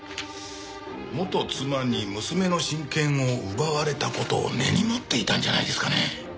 元妻に娘の親権を奪われた事を根に持っていたんじゃないですかね？